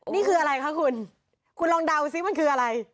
นี่คืออะไรคะคุณคุณลองเดาซิมันคืออะไร